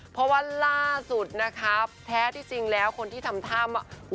เพราะว่าล่าสุดนะคะแท้ที่จริงแล้วคนที่ทำท่าว่า